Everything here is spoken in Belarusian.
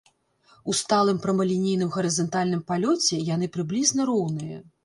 У сталым прамалінейным гарызантальным палёце яны прыблізна роўныя.